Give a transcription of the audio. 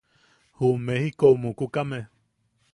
Juʼu Mejikou mukukame.